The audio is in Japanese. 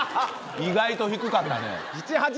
意外と低かったね。